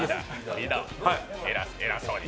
リーダー、偉そうに。